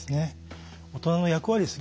大人の役割です